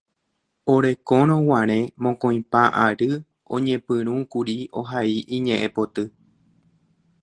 Orekórõguare mokõipa ary oñepyrũkuri ohai iñe'ẽpoty